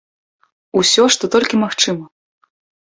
Усё, што толькі магчыма.